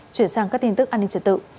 chuyển sang các tin tức an ninh trật tự